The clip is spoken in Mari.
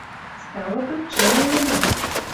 Стало быть, чын ойленам.